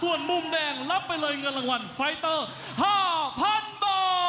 ส่วนมุมแดงรับไปเลยเงินรางวัลไฟเตอร์๕๐๐๐บาท